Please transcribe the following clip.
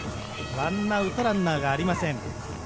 １アウトランナーがありません。